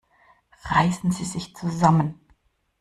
Reißen Sie sich zusammen!